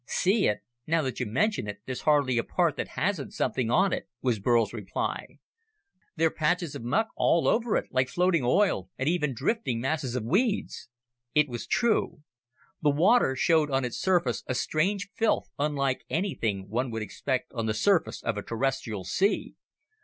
"See it? Now that you mention it, there's hardly a part that hasn't something on it," was Burl's reply. "There're patches of muck all over it, like floating oil, or even drifting masses of weeds." It was true. The water showed on its surface a strange filth unlike anything one would expect on the surface of a Terrestrial sea.